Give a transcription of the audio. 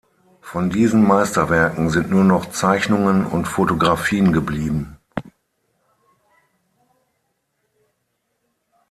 Von diesen Meisterwerken sind nur noch Zeichnungen und Fotografien geblieben.